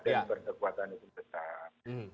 dan kekuatan itu tetap